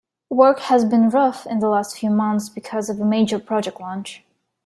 Work has been rough in the last few months because of a major project launch.